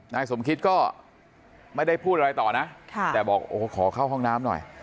นายสมคิตก็ไม่ได้พูดอะไรต่อนะแต่บอกโอ้โหขอเข้าห้องน้ำหน่อย